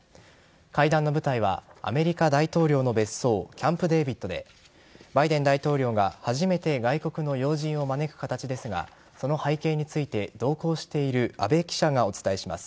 会談の舞台はアメリカ大統領の別荘キャンプデービッドでバイデン大統領が初めて外国の要人を招く形ですがその背景について同行している阿部記者がお伝えします。